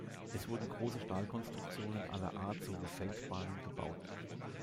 Es wurden große Stahlkonstruktionen aller Art sowie Feldbahnen gebaut.